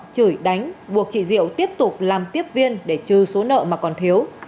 chửi đánh buộc chị diệu tiếp tục làm tiếp viên để trừ số nợ mà còn thiếu